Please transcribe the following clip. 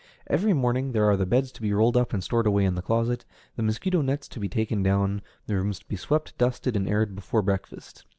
Every morning there are the beds to be rolled up and stored away in the closet, the mosquito nets to be taken down, the rooms to be swept, dusted, and aired before breakfast.